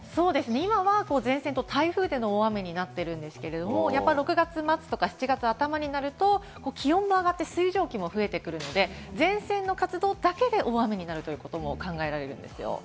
今は前線と台風での大雨になっているんですけれども、６月末とか７月頭になると気温が上がって水蒸気も増えてくるので、前線の活動だけで大雨になるということも考えられるんですよ。